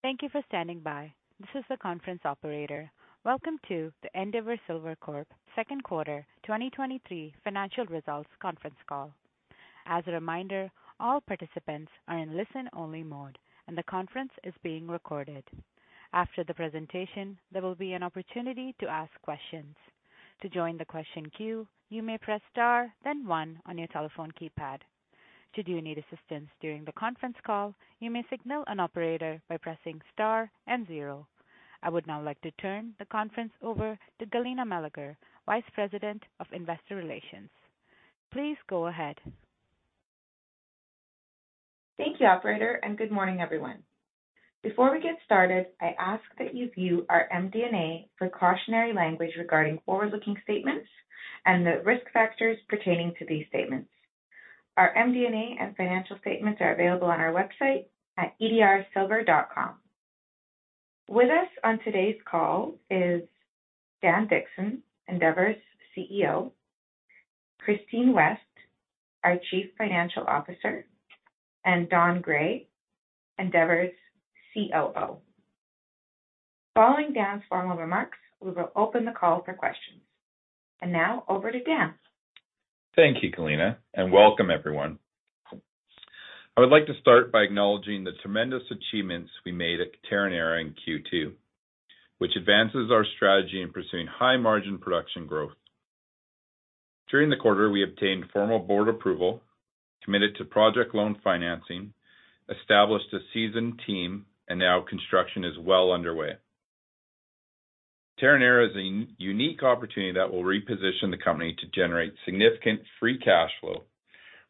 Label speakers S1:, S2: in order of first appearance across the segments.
S1: Thank you for standing by. This is the conference operator. Welcome to the Endeavour Silver Corp Second Quarter 2023 Financial Results Conference Call. As a reminder, all participants are in listen-only mode, and the conference is being recorded. After the presentation, there will be an opportunity to ask questions. To join the question queue, you may press Star, then one on your telephone keypad. Should you need assistance during the conference call, you may signal an operator by pressing Star and zero. I would now like to turn the conference over to Galina Meleger, Vice President of Investor Relations. Please go ahead.
S2: Thank you, operator, and good morning, everyone. Before we get started, I ask that you view our MD&A precautionary language regarding forward-looking statements and the risk factors pertaining to these statements. Our MD&A and financial statements are available on our website at edrsilver.com. With us on today's call is Dan Dickson, Endeavour's CEO, Christine West, our Chief Financial Officer, and Don Gray, Endeavour's COO. Following Dan's formal remarks, we will open the call for questions. Now over to Dan.
S3: Thank you, Galina. Welcome everyone. I would like to start by acknowledging the tremendous achievements we made at Terronera in Q2, which advances our strategy in pursuing high-margin production growth. During the quarter, we obtained formal board approval, committed to project loan financing, established a seasoned team, and now construction is well underway. Terronera is a unique opportunity that will reposition the company to generate significant free cash flow,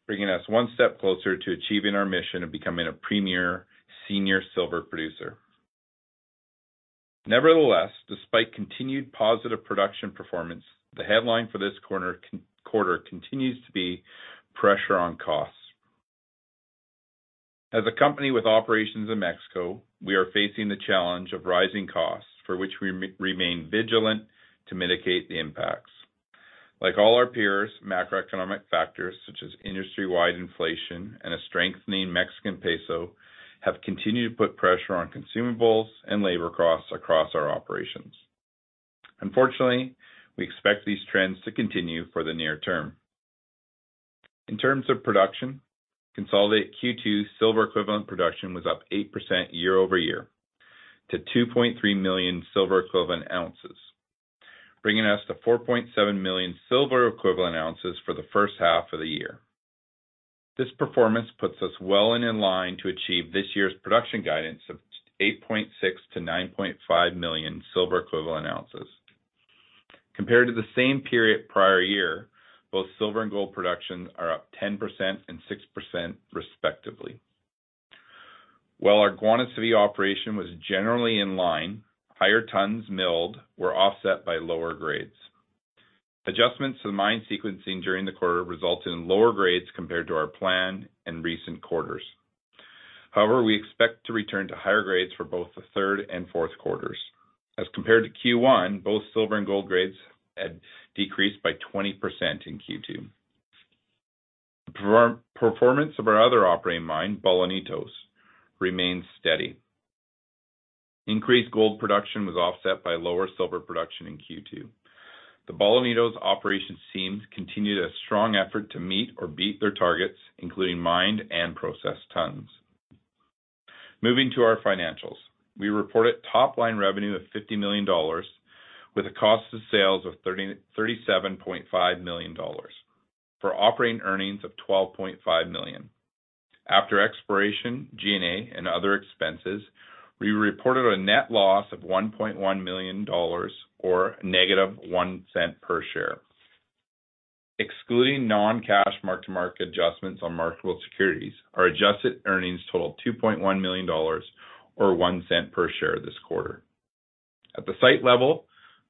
S3: bringing us one step closer to achieving our mission of becoming a premier senior silver producer. Nevertheless, despite continued positive production performance, the headline for this quarter continues to be pressure on costs. As a company with operations in Mexico, we are facing the challenge of rising costs, for which we remain vigilant to mitigate the impacts. Like all our peers, macroeconomic factors such as industry-wide inflation and a strengthening Mexican peso, have continued to put pressure on consumables and labor costs across our operations. Unfortunately, we expect these trends to continue for the near term. In terms of production, consolidate Q2 silver equivalent production was up 8% year-over-year to 2.3 million silver equivalent ounces, bringing us to 4.7 million silver equivalent ounces for the first half of the year. This performance puts us well and in line to achieve this year's production guidance of 8.6 million-9.5 million silver equivalent ounces. Compared to the same period prior year, both silver and gold production are up 10% and 6% respectively. While our Guanacevi operation was generally in line, higher tons milled were offset by lower grades. Adjustments to the mine sequencing during the quarter resulted in lower grades compared to our plan in recent quarters. However, we expect to return to higher grades for both the third and fourth quarters. As compared to Q1, both silver and gold grades had decreased by 20% in Q2. The performance of our other operating mine, Bolanitos, remains steady. Increased gold production was offset by lower silver production in Q2. The Bolanitos operation seems continued a strong effort to meet or beat their targets, including mined and processed tons. Moving to our financials, we reported top-line revenue of $50 million, with a cost of sales of $37.5 million for operating earnings of $12.5 million. After exploration, G&A and other expenses, we reported a net loss of $1.1 million or negative $0.01 per share. Excluding non-cash mark-to-market adjustments on marketable securities, our adjusted earnings totaled $2.1 million, or $0.01 per share this quarter. At the site level,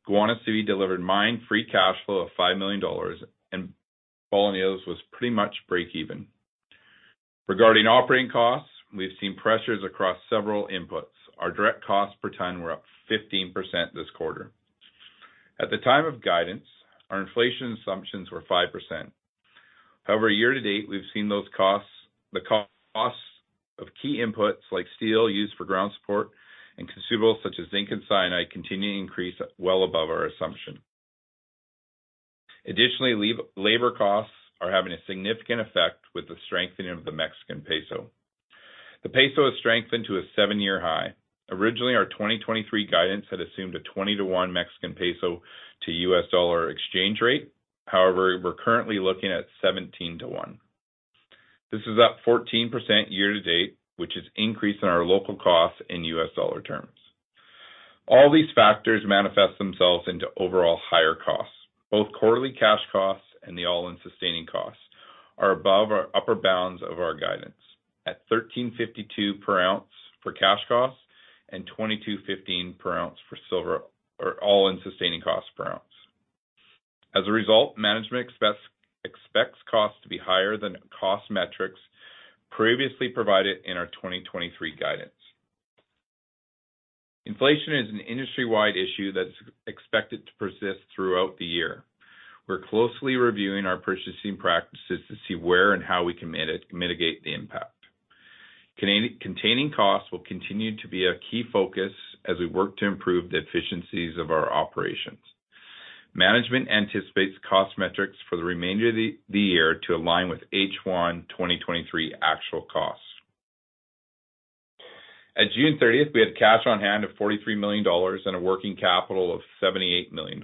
S3: Guanacevi delivered mine free cash flow of $5 million, and Bolanitos was pretty much breakeven. Regarding operating costs, we've seen pressures across several inputs. Our direct costs per ton were up 15% this quarter. At the time of guidance, our inflation assumptions were 5%. However, year-to-date, we've seen the costs of key inputs like steel used for ground support and consumables such as zinc and cyanide, continuing to increase well above our assumption. Additionally, lab-labor costs are having a significant effect with the strengthening of the Mexican peso. The peso has strengthened to a 7-year high. Originally, our 2023 guidance had assumed a 20 to 1 Mexican peso to US dollar exchange rate. We're currently looking at 17 to 1. This is up 14% year-to-date, which is increasing our local costs in US dollar terms. All these factors manifest themselves into overall higher costs. Both quarterly cash costs and the all-in sustaining costs are above our upper bounds of our guidance, at $13.52 per ounce for cash costs and $22.15 per ounce for silver or all-in sustaining costs per ounce. As a result, management expects costs to be higher than cost metrics previously provided in our 2023 guidance. Inflation is an industry-wide issue that's expected to persist throughout the year. We're closely reviewing our purchasing practices to see where and how we can mitigate the impact. Containing costs will continue to be a key focus as we work to improve the efficiencies of our operations. Management anticipates cost metrics for the remainder of the year to align with H1 2023 actual costs. At June thirtieth, we had cash on hand of $43 million and a working capital of $78 million.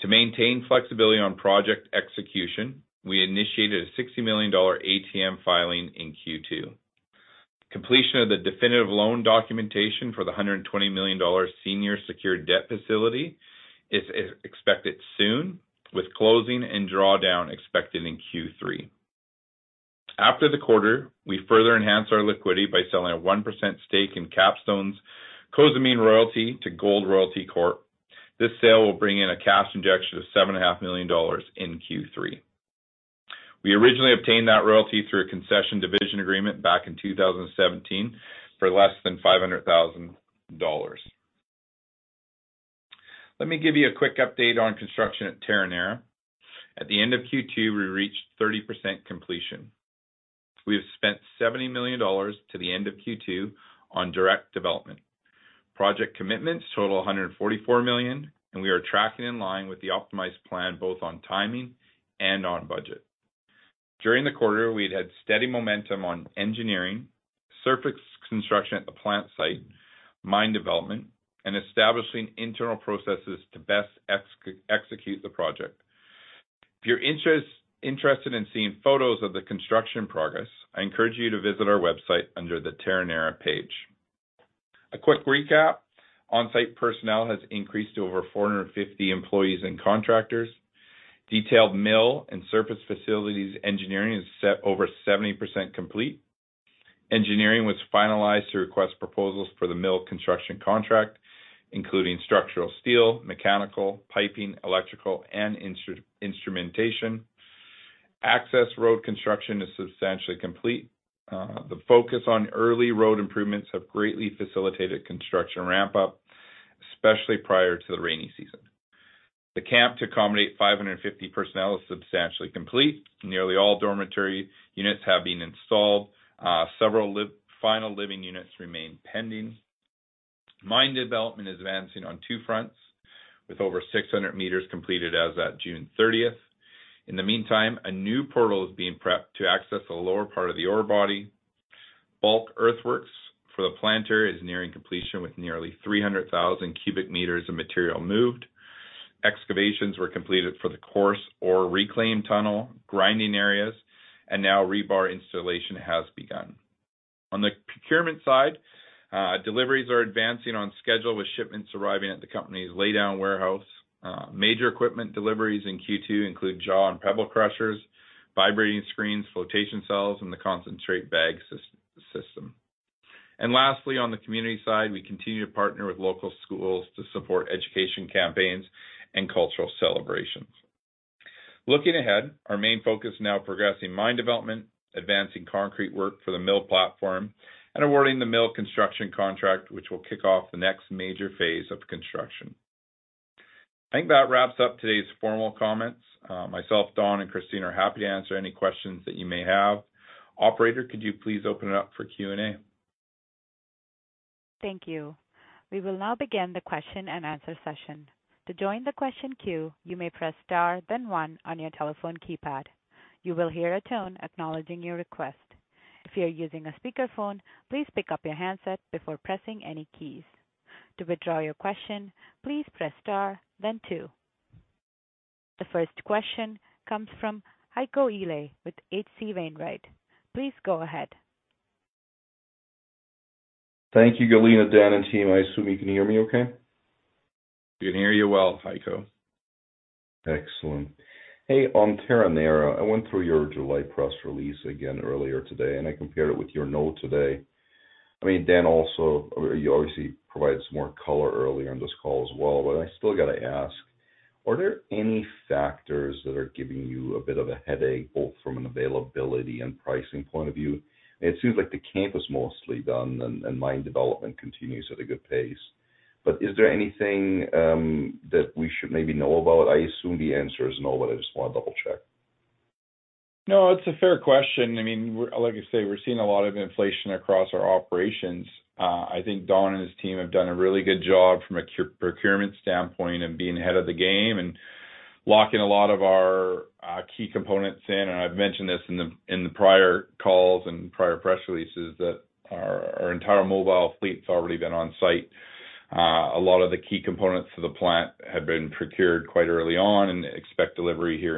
S3: To maintain flexibility on project execution, we initiated a $60 million ATM filing in Q2. Completion of the definitive loan documentation for the $120 million senior secured debt facility is expected soon, with closing and drawdown expected in Q3. After the quarter, we further enhanced our liquidity by selling a 1% stake in Capstone's Cozamin royalty to Gold Royalty Corp. This sale will bring in a cash injection of $7.5 million in Q3. We originally obtained that royalty through a concession transfer agreement back in 2017 for less than $500,000. Let me give you a quick update on construction at Terronera. At the end of Q2, we reached 30% completion. We have spent $70 million to the end of Q2 on direct development. Project commitments total $144 million, and we are tracking in line with the optimized plan, both on timing and on budget. During the quarter, we'd had steady momentum on engineering, surface construction at the plant site, mine development, and establishing internal processes to best execute the project. If you're interested in seeing photos of the construction progress, I encourage you to visit our website under the Terronera page. A quick recap. On-site personnel has increased to over 450 employees and contractors. Detailed mill and surface facilities engineering is set over 70% complete. Engineering was finalized to request proposals for the mill construction contract, including structural, steel, mechanical, piping, electrical, and instrumentation. Access road construction is substantially complete. The focus on early road improvements have greatly facilitated construction ramp-up, especially prior to the rainy season. The camp to accommodate 550 personnel is substantially complete. Nearly all dormitory units have been installed. Several live, final living units remain pending. Mine development is advancing on two fronts, with over 600 meters completed as at June 30th. In the meantime, a new portal is being prepped to access the lower part of the ore body. Bulk earthworks for the planter is nearing completion, with nearly 300,000 cubic meters of material moved. Excavations were completed for the coarse ore reclaim tunnel, grinding areas, and now rebar installation has begun. On the procurement side, deliveries are advancing on schedule, with shipments arriving at the company's laydown warehouse. Major equipment deliveries in Q2 include jaw and pebble crushers, vibrating screens, flotation cells, and the concentrate bagging system. Lastly, on the community side, we continue to partner with local schools to support education campaigns and cultural celebrations. Looking ahead, our main focus is now progressing mine development, advancing concrete work for the mill platform, and awarding the mill construction contract, which will kick off the next major phase of construction. I think that wraps up today's formal comments. Myself, Don, and Christine are happy to answer any questions that you may have. Operator, could you please open it up for Q&A?
S1: Thank you. We will now begin the question-and-answer session. To join the question queue, you may press Star, then 1 on your telephone keypad. You will hear a tone acknowledging your request. If you are using a speakerphone, please pick up your handset before pressing any keys. To withdraw your question, please press Star then 2. The first question comes from Heiko Ihle with H.C. Wainwright. Please go ahead.
S4: Thank you, Galina, Dan, and team. I assume you can hear me okay?
S3: We can hear you well, Heiko.
S4: Excellent. Hey, on Terronera, I went through your July press release again earlier today, and I compared it with your note today. I mean, Dan, also, you obviously provided some more color earlier on this call as well, but I still got to ask, are there any factors that are giving you a bit of a headache, both from an availability and pricing point of view? It seems like the camp is mostly done and mine development continues at a good pace. Is there anything that we should maybe know about? I assume the answer is no, but I just want to double-check.
S3: No, it's a fair question. I mean, we're like I say, we're seeing a lot of inflation across our operations. I think Don and his team have done a really good job from a procurement standpoint and being ahead of the game and locking a lot of our key components in, and I've mentioned this in the prior calls and prior press releases, that our entire mobile fleet's already been on site. A lot of the key components to the plant have been procured quite early on and expect delivery here.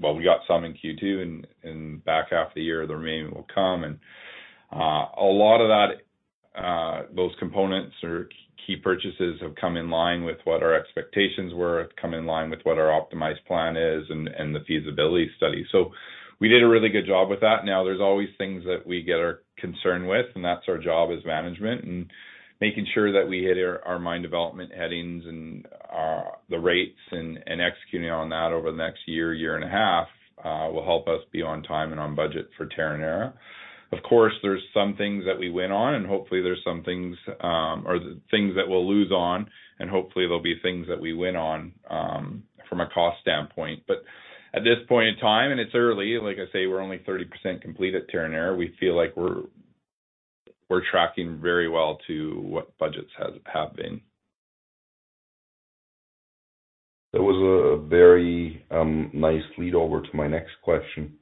S3: Well, we got some in Q2 and back half of the year, the remaining will come. A lot of that, those components or key purchases have come in line with what our expectations were, have come in line with what our optimized plan is and, and the feasibility study. We did a really good job with that. There's always things that we get our concerned with, and that's our job as management and making sure that we hit our, our mine development headings and the rates, and, and executing on that over the next year, year and a half will help us be on time and on budget for Terronera. There's some things that we win on, and hopefully there's some things or things that we'll lose on, and hopefully there'll be things that we win on from a cost standpoint. At this point in time, and it's early, like I say, we're only 30% complete at Terronera, we feel like we're tracking very well to what budgets has, have been.
S4: That was a, a very nice lead over to my next question.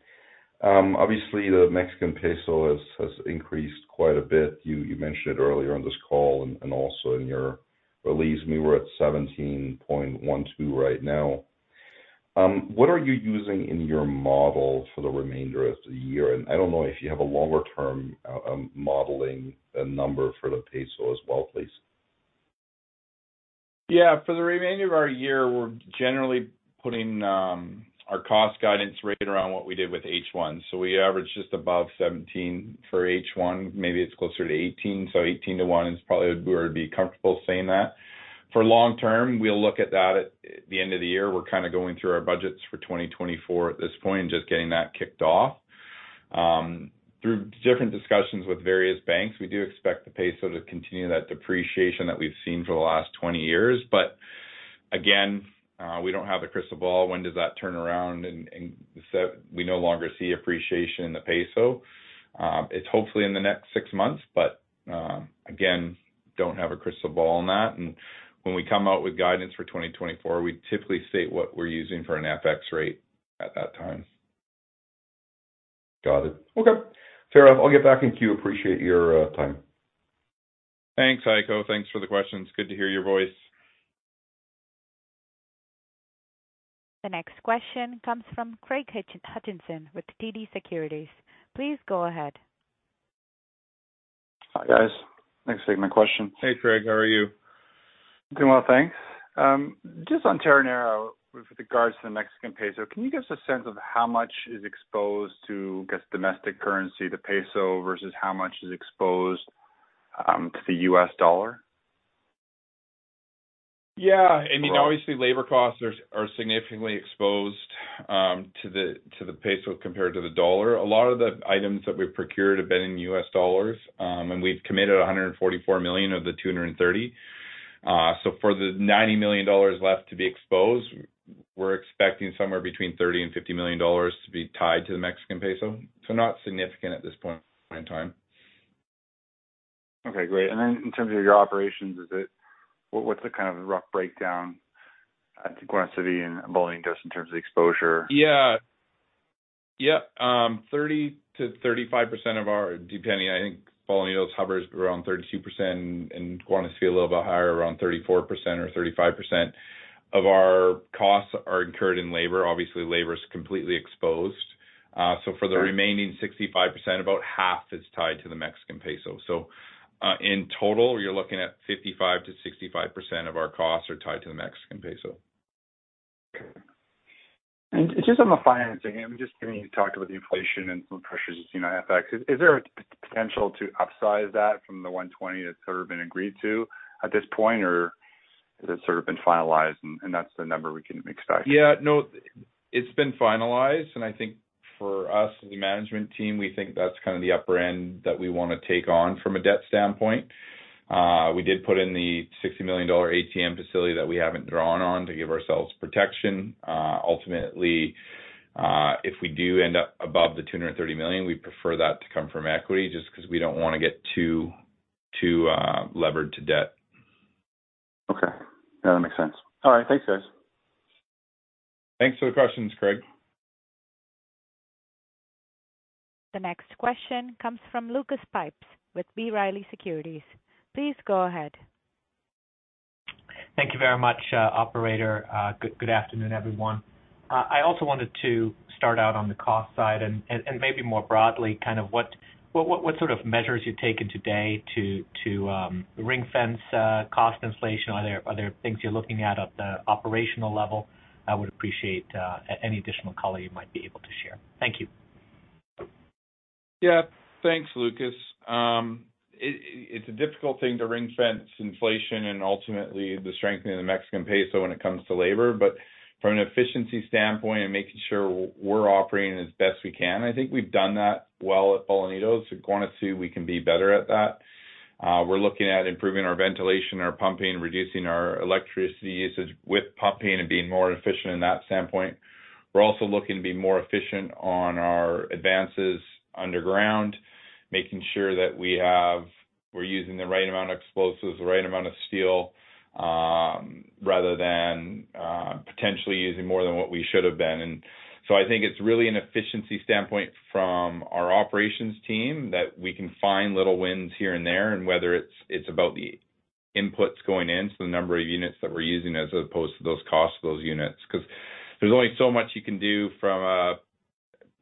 S4: Obviously, the Mexican peso has, has increased quite a bit. You, you mentioned it earlier on this call and, and also in your release. We were at 17.12 right now. What are you using in your model for the remainder of the year? I don't know if you have a longer-term modeling number for the peso as well, please.
S3: Yeah, for the remainder of our year, we're generally putting our cost guidance right around what we did with H1. We average just above $17 for H1, maybe it's closer to $18. $18 to 1 is probably where I'd be comfortable saying that. For long term, we'll look at that at the end of the year. We're kind of going through our budgets for 2024 at this point and just getting that kicked off. Through different discussions with various banks, we do expect the peso to continue that depreciation that we've seen for the last 20 years. Again, we don't have a crystal ball. When does that turn around so we no longer see appreciation in the peso. It's hopefully in the next six months, again, don't have a crystal ball on that. When we come out with guidance for 2024, we typically state what we're using for an FX rate at that time.
S4: Got it. Okay. Gareth, I'll get back into you. Appreciate your time.
S3: Thanks, Heiko. Thanks for the questions. Good to hear your voice.
S1: The next question comes from Craig Hutchison, with TD Securities. Please go ahead.
S5: Hi, guys. Thanks for taking my question.
S3: Hey, Craig, how are you?
S5: Doing well, thanks. Just on Terronera, with regards to the Mexican peso, can you give us a sense of how much is exposed to, I guess, domestic currency, the peso, versus how much is exposed, to the US dollar?
S3: Yeah, I mean, obviously, labor costs are significantly exposed to the peso compared to the U.S. dollar. A lot of the items that we've procured have been in U.S. dollars. We've committed $144 million of the $230 million. For the $90 million left to be exposed, we're expecting somewhere between $30 million and $50 million to be tied to the Mexican peso. Not significant at this point in time.
S5: Okay, great. Then in terms of your operations, what's the kind of rough breakdown to Guanacevi and Bolanitos just in terms of exposure?
S3: Yeah. Yep, 30%-35% of our, depending, I think Bolanitos hovers around 32%, and Guanacevi a little bit higher, around 34% or 35% of our costs are incurred in labor. Obviously, labor is completely exposed.
S5: Okay.
S3: remaining 65%, about half is tied to the Mexican peso. In total, you're looking at 55%-65% of our costs are tied to the Mexican peso.
S5: Okay. Just on the financing, I'm just going to talk about the inflation, and pressures you've seen on FX. Is there a potential to upsize that from the $120 million that's sort of been agreed to at this point? Has it sort of been finalized and, and that's the number we can expect?
S3: Yeah, no, it's been finalized. I think for us, as the management team, we think that's kind of the upper end that we want to take on from a debt standpoint. We did put in the $60 million ATM facility that we haven't drawn on to give ourselves protection. Ultimately, if we do end up above the $230 million, we'd prefer that to come from equity, just because we don't want to get too, too levered to debt.
S5: Okay. Yeah, that makes sense. All right. Thanks, guys.
S3: Thanks for the questions, Craig.
S1: The next question comes from Lucas Pipes with B. Riley Securities. Please go ahead.
S6: Thank you very much, operator. Good, good afternoon, everyone. I also wanted to start out on the cost side and, and, and maybe more broadly, kind of what, what, what sort of measures you're taking today to, to, ring-fence, cost inflation. Are there, are there things you're looking at, at the operational level? I would appreciate any additional color you might be able to share. Thank you.
S3: Yeah. Thanks, Lucas. It, it's a difficult thing to ring-fence inflation and ultimately the strengthening of the Mexican peso when it comes to labor. From an efficiency standpoint and making sure we're operating as best we can, I think we've done that well at Bolanitos. At Guanacevi, we can be better at that. We're looking at improving our ventilation, our pumping, reducing our electricity usage with pumping and being more efficient in that standpoint. We're also looking to be more efficient on our advances underground, making sure that we're using the right amount of explosives, the right amount of steel, rather than potentially using more than what we should have been. I think it's really an efficiency standpoint from our operations team, that we can find little wins here and there, and whether it's, it's about the inputs going in, so the number of units that we're using as opposed to those costs of those units. Because there's only so much you can do from a,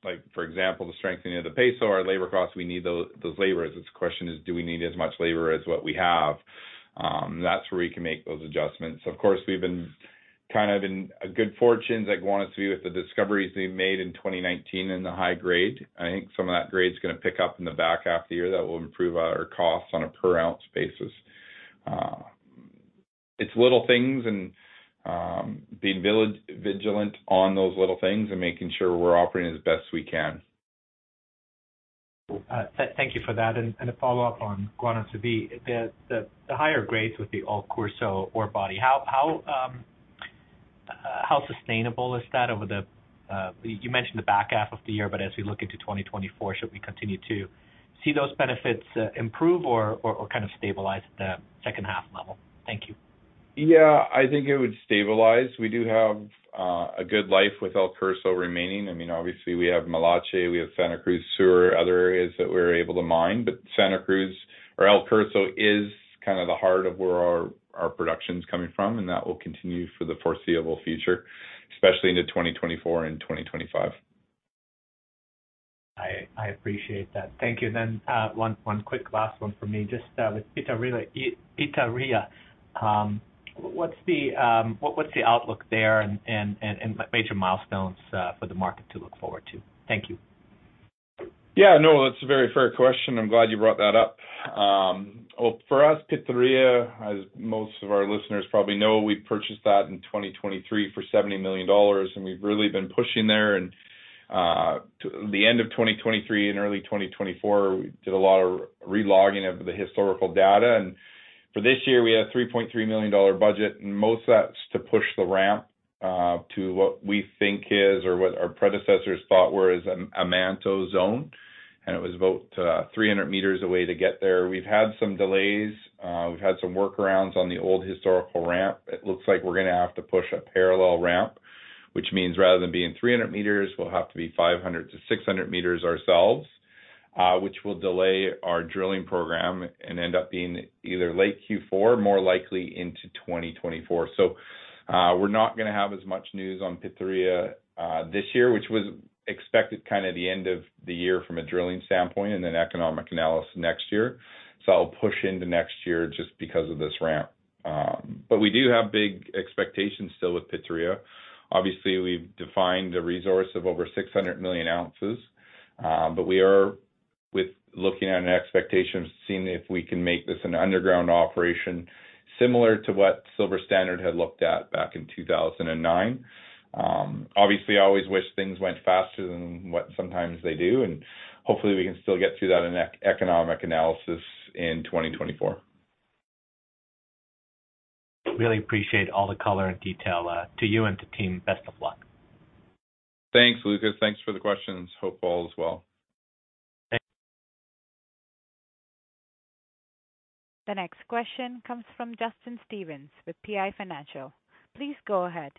S3: like, for example, the strengthening of the peso, our labor costs, we need those laborers. It's question is, do we need as much labor as what we have? That's where we can make those adjustments. Of course, we've been kind of in a good fortunes, like Guanacevi, with the discoveries we made in 2019 in the high grade. I think some of that grade is gonna pick up in the back half of the year. That will improve our costs on a per-ounce basis. It's little things and, being vigilant on those little things and making sure we're operating as best we can.
S6: Thank you for that. A follow-up on Guanacevi. The, the, the higher grades with the El Curso ore body, how, how sustainable is that over the, you mentioned the back half of the year, but as we look into 2024, should we continue to see those benefits, improve or, or, or kind of stabilize at the second half level? Thank you.
S3: Yeah, I think it would stabilize. We do have a good life with El Curso remaining. I mean, obviously, we have Milache, we have Santa Cruz Sur, other areas that we're able to mine. Santa Cruz or El Curso is kind of the heart of where our production's coming from, and that will continue for the foreseeable future, especially into 2024 and 2025.
S6: I, I appreciate that. Thank you. One, one quick last one for me. Just, with Pitarrilla, I-Pitarrilla, what's the, what's the outlook there and, and, and, and major milestones, for the market to look forward to? Thank you.
S3: Yeah, no, that's a very fair question. I'm glad you brought that up. Well, for us, Pitarrilla, as most of our listeners probably know, we purchased that in 2023 for $70 million, and we've really been pushing there. The end of 2023 and early 2024, we did a lot of re-logging of the historical data. For this year, we had $3.3 million budget, and most of that's to push the ramp to what we think is or what our predecessors thought was a manto zone. It was about 300 meters away to get there. We've had some delays. We've had some workarounds on the old historical ramp. It looks like we're gonna have to push a parallel ramp, which means rather than being 300 meters, we'll have to be 500-600 meters ourselves, which will delay our drilling program and end up being either late Q4, more likely into 2024. We're not gonna have as much news on Pitarrilla this year, which was expected kind of the end of the year from a drilling standpoint, and then economic analysis next year. I'll push into next year just because of this ramp. But we do have big expectations still with Pitarrilla. Obviously, we've defined a resource of over 600 million ounces, but we are with looking at an expectation of seeing if we can make this an underground operation, similar to what Silver Standard had looked at back in 2009. Obviously, I always wish things went faster than what sometimes they do, and hopefully we can still get through that an economic analysis in 2024.
S6: Really appreciate all the color and detail, to you and to team. Best of luck.
S3: Thanks, Lucas. Thanks for the questions. Hope all is well.
S6: Thanks.
S1: The next question comes from Justin Stevens with PI Financial. Please go ahead.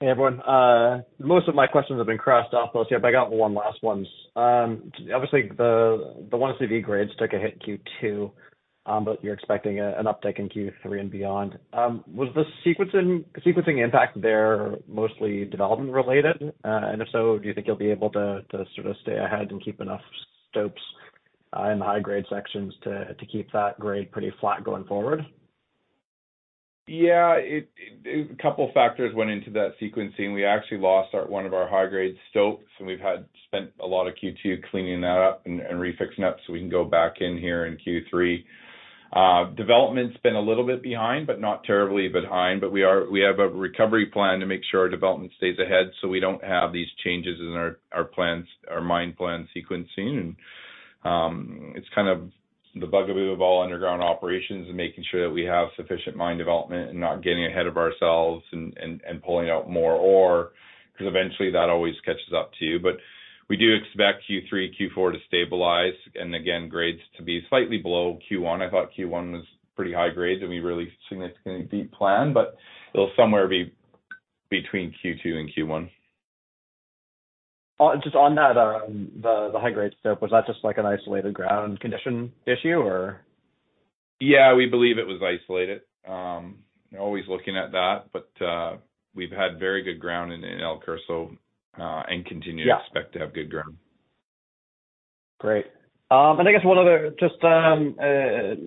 S7: Hey, everyone. Most of my questions have been crossed off. I got one last one. Obviously, the GCV grades took a hit Q2. You're expecting an uptick in Q3 and beyond. Was the sequencing, sequencing impact there mostly development related? If so, do you think you'll be able to sort of stay ahead and keep enough stopes in the high grade sections to keep that grade pretty flat going forward?
S3: Yeah, two factors went into that sequencing. We actually lost our, one of our high grade stopes, and we've had spent a lot of Q2 cleaning that up and refixing up so we can go back in here in Q3. Development's been a little bit behind, but not terribly behind, but we have a recovery plan to make sure our development stays ahead, so we don't have these changes in our, our plans, our mine plan sequencing. It's kind of the bugaboo of all underground operations and making sure that we have sufficient mine development and not getting ahead of ourselves and pulling out more ore, because eventually, that always catches up to you. We do expect Q3, Q4 to stabilize and again, grades to be slightly below Q1. I thought Q1 was pretty high grades and we really significantly beat plan, but it'll somewhere be between Q2 and Q1.
S7: Just on that, the, the high-grade stope, was that just like an isolated ground condition issue or?
S3: Yeah, we believe it was isolated. always looking at that, but, we've had very good ground in, in El Curso.
S7: Yeah.
S3: to expect to have good ground.
S7: Great. I guess one other just,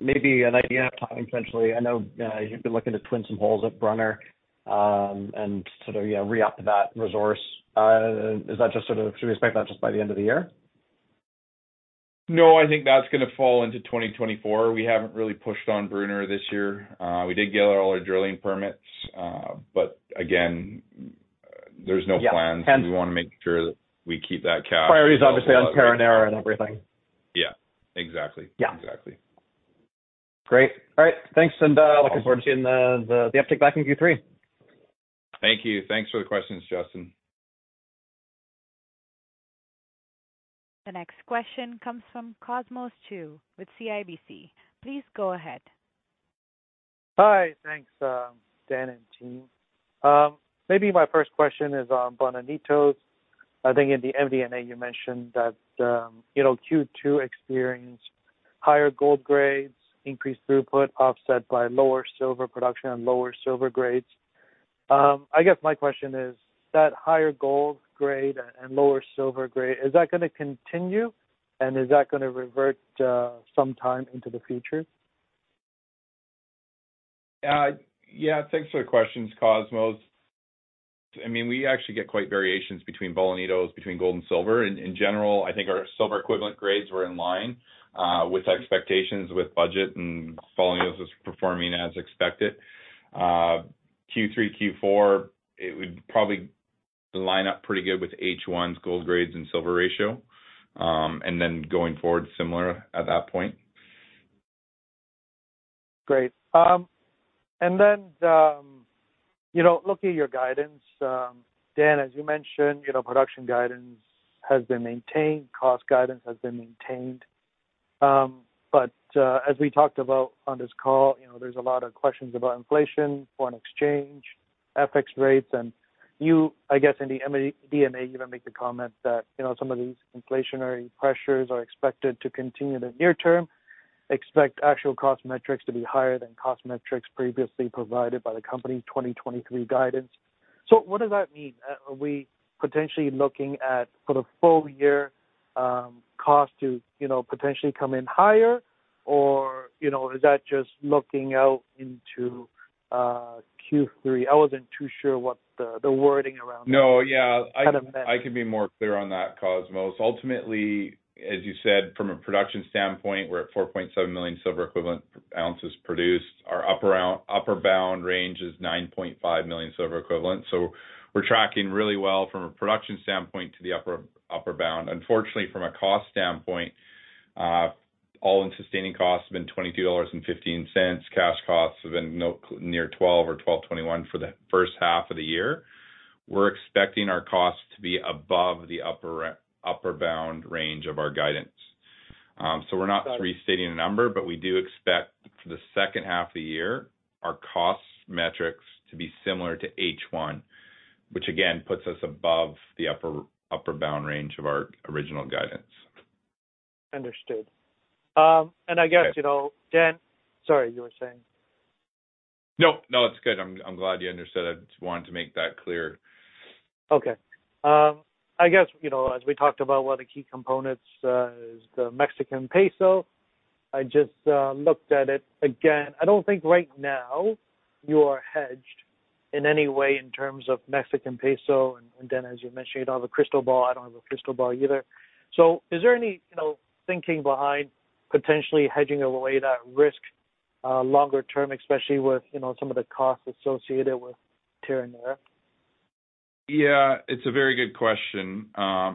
S7: maybe an idea of timing, potentially. I know, you've been looking to twin some holes at Bruner, and sort of, yeah, re-opt that resource. Is that just sort of, should we expect that just by the end of the year?
S3: No, I think that's gonna fall into 2024. We haven't really pushed on Bruner this year. We did get all our drilling permits, again, there's no plans.
S7: Yeah.
S3: We want to make sure that we keep that.
S7: Priority is obviously on Terronera and everything.
S3: Yeah, exactly.
S7: Yeah.
S3: Exactly.
S7: Great. All right, thanks, and.
S3: Awesome.
S7: looking forward to seeing the, the, the uptick back in Q3.
S3: Thank you. Thanks for the questions, Justin.
S1: The next question comes from Cosmos Chiu with CIBC. Please go ahead.
S8: Hi. Thanks, Dan and team. Maybe my first question is on Bolanitos. I think in the MD&A you mentioned that, you know, Q2 experienced higher gold grades, increased throughput, offset by lower silver production and lower silver grades. I guess my question is, that higher gold grade and lower silver grade, is that gonna continue, and is that gonna revert sometime into the future?
S3: Yeah, thanks for the questions, Cosmos. I mean, we actually get quite variations between Bolanitos, between gold and silver. In general, I think our silver equivalent grades were in line with expectations, with budget, and Bolanitos was performing as expected. Q3, Q4, it would probably line up pretty good with H1's gold grades and silver ratio, and then going forward, similar at that point.
S8: Great. Then, you know, looking at your guidance, Dan, as you mentioned, you know, production guidance has been maintained, cost guidance has been maintained. As we talked about on this call, you know, there's a lot of questions about inflation, foreign exchange, FX rates, and you, I guess, in the MD&A, you know, make the comment that, you know, some of these inflationary pressures are expected to continue in the near term, expect actual cost metrics to be higher than cost metrics previously provided by the company 2023 guidance. What does that mean? Are we potentially looking at, for the full year, cost to, you know, potentially come in higher, or, you know, is that just looking out into Q3? I wasn't too sure what the, the wording around that...
S3: No, yeah.
S8: Kind of-
S3: I, I can be more clear on that, Cosmos. Ultimately, as you said, from a production standpoint, we're at 4.7 million silver equivalent ounces produced. Our upper bound range is 9.5 million silver equivalent. We're tracking really well from a production standpoint to the upper bound. Unfortunately, from a cost standpoint, all-in sustaining costs have been $22.15. cash costs have been near $12 or $12.21 for the first half of the year. We're expecting our costs to be above the upper bound range of our guidance. so we're not.
S8: Got it.
S3: Restating the number, we do expect for the second half of the year, our cost metrics to be similar to H1, which again, puts us above the upper, upper bound range of our original guidance.
S8: Understood. I guess,
S3: Okay
S8: you know, Dan... Sorry, you were saying?
S3: No, no, it's good. I'm, I'm glad you understood. I just wanted to make that clear.
S8: Okay. I guess, you know, as we talked about, one of the key components, is the Mexican peso. I just looked at it again. I don't think right now you are hedged in any way in terms of Mexican peso. Dan, as you mentioned, you don't have a crystal ball, I don't have a crystal ball either. Is there any, you know, thinking behind potentially hedging away that risk, longer term, especially with, you know, some of the costs associated with Terronera?
S3: Yeah, it's a very good question. I,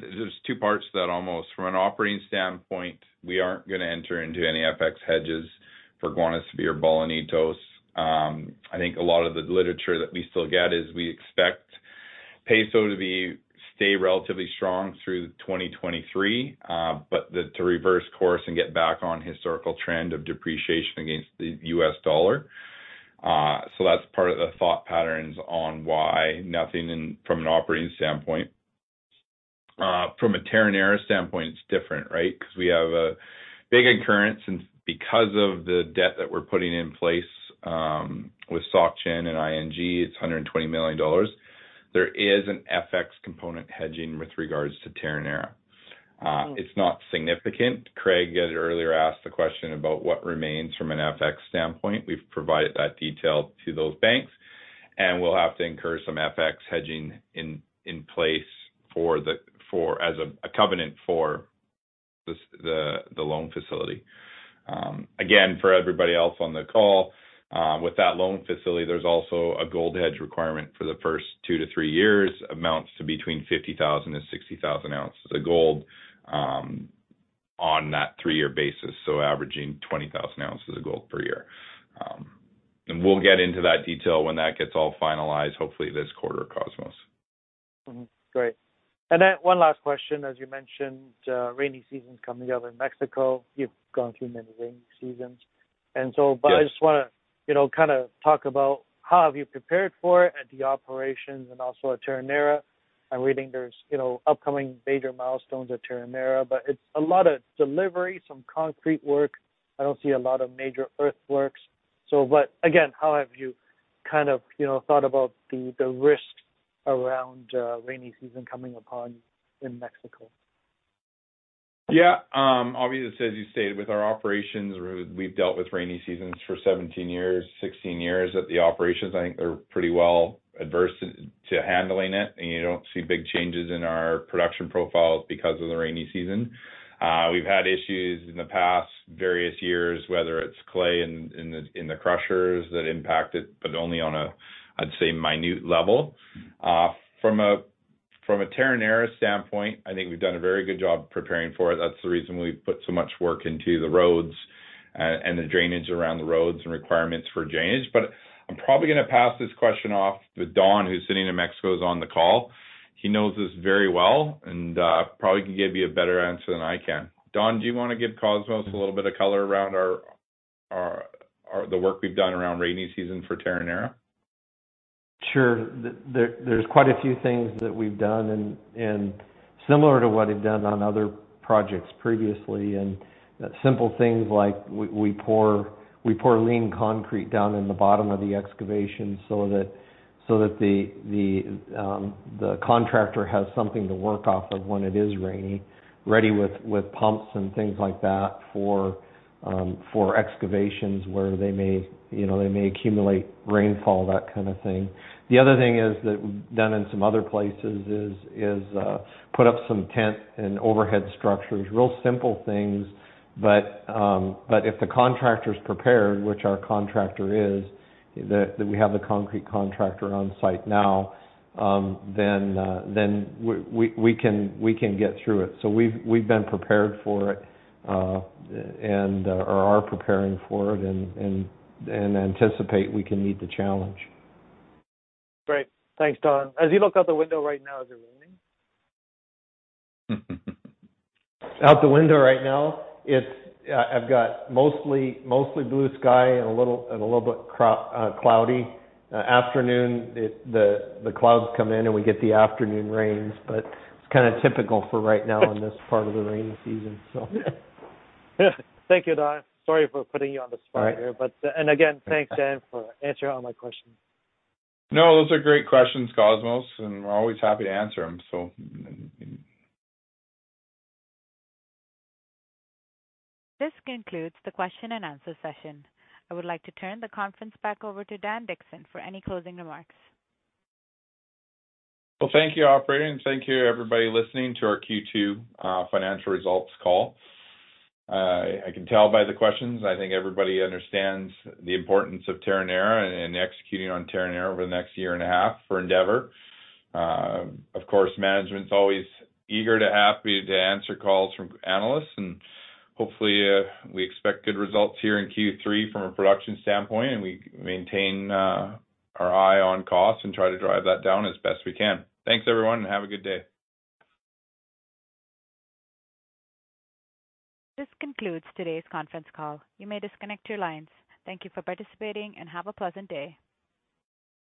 S3: there's two parts to that almost. From an operating standpoint, we aren't gonna enter into any FX hedges for Guanacevi or Bolanitos. I think a lot of the literature that we still get is we expect peso to be, stay relatively strong through 2023, but the, to reverse course and get back on historical trend of depreciation against the US dollar. That's part of the thought patterns on why nothing in, from an operating standpoint. From a Terronera standpoint, it's different, right? Because we have a big occurrence, and because of the debt that we're putting in place, with SocGen and ING, it's $120 million. There is an FX component hedging with regards to Terronera. It's not significant. Craig, earlier, asked a question about what remains from an FX standpoint. We've provided that detail to those banks, and we'll have to incur some FX hedging in place for the, as a covenant for the loan facility. Again, for everybody else on the call, with that loan facility, there's also a gold hedge requirement for the first 2 to 3 years, amounts to between 50,000 and 60,000 ounces of gold, on that 3-year basis, so averaging 20,000 ounces of gold per year. We'll get into that detail when that gets all finalized, hopefully this quarter, Cosmos.
S8: Mm-hmm. Great. Then one last question. As you mentioned, rainy season is coming up in Mexico. You've gone through many rainy seasons, and so-
S3: Yes.
S8: I just wanna, you know, kinda talk about how have you prepared for it at the operations and also at Terronera. I'm reading there's, you know, upcoming major milestones at Terronera, but it's a lot of delivery, some concrete work. I don't see a lot of major earthworks. But again, how have you kind of, you know, thought about the, the risk around rainy season coming upon in Mexico?
S3: Yeah, obviously, as you stated, with our operations, we've dealt with rainy seasons for 17 years, 16 years, at the operations. I think they're pretty well adversed to, to handling it, and you don't see big changes in our production profiles because of the rainy season. We've had issues in the past various years, whether it's clay in, in the, in the crushers that impact it, but only on a, I'd say, minute level. From a, from a Terronera standpoint, I think we've done a very good job preparing for it. That's the reason we've put so much work into the roads, and the drainage around the roads and requirements for drainage. I'm probably gonna pass this question off to Don, who's sitting in Mexico, is on the call. He knows this very well, probably can give you a better answer than I can. Don, do you want to give Cosmos a little bit of color around the work we've done around rainy season for Terronera?
S9: Sure. There's quite a few things that we've done, similar to what we've done on other projects previously, simple things like we pour lean concrete down in the bottom of the excavation so that the contractor has something to work off of when it is rainy. Ready with pumps and things like that for excavations where they may, you know, they may accumulate rainfall, that kind of thing. The other thing is that we've done in some other places is put up some tent and overhead structures, real simple things. If the contractor's prepared, which our contractor is, that we have the concrete contractor on site now, then we can get through it. we've, we've been prepared for it, and, or are preparing for it, and, and, and anticipate we can meet the challenge.
S8: Great. Thanks, Don. As you look out the window right now, is it raining?
S9: Out the window right now, it's, I've got mostly, mostly blue sky and a little, and a little bit cro- cloudy. Afternoon, the clouds come in, and we get the afternoon rains, but it's kinda typical for right now in this part of the rainy season, so.
S8: Thank you, Don. Sorry for putting you on the spot here.
S9: Right.
S8: Again, thanks, Dan, for answering all my questions.
S3: No, those are great questions, Cosmos, and we're always happy to answer them, so.
S1: This concludes the question and answer session. I would like to turn the conference back over to Dan Dickson for any closing remarks.
S3: Well, thank you, operator, and thank you everybody listening to our Q2 financial results call. I can tell by the questions, I think everybody understands the importance of Terronera and executing on Terronera over the next year and a half for Endeavour. Of course, management's always eager to, happy to answer calls from analysts, and hopefully, we expect good results here in Q3 from a production standpoint, and we maintain our eye on cost and try to drive that down as best we can. Thanks, everyone, and have a good day.
S1: This concludes today's conference call. You may disconnect your lines. Thank you for participating and have a pleasant day.